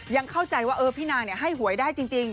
ยังเข้าใจว่าพี่นางให้หวยได้จริง